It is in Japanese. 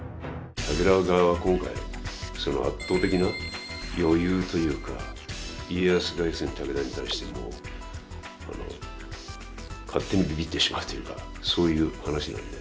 武田側は今回その圧倒的な余裕というか家康が要するに武田に対しても勝手にびびってしまうというかそういう話なんで。